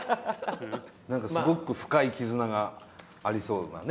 何かすごく深い絆がありそうなね